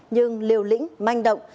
nhưng liều lĩnh manh động